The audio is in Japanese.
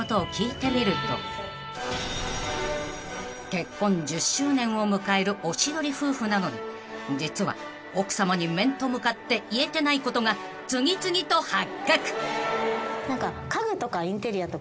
［結婚１０周年を迎えるおしどり夫婦なのに実は奥さまに面と向かって言えてないことが次々と発覚］